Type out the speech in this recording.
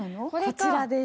こちらです。